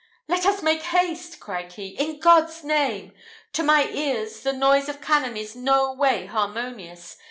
"Let us make haste," cried he, "in God's name! To my ears, the noise of cannon is no way harmonious.